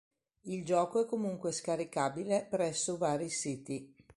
Il gioco è comunque scaricabile presso vari siti.